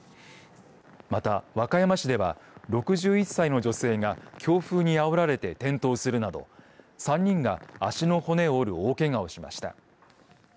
また和歌山市では６１歳の女性が強風にあおられて転倒するなど３人が足の骨を折る大けがをしました。